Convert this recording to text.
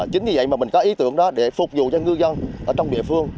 chính vì vậy mình có ý tưởng để phục vụ cho ngư dân ở trong địa phương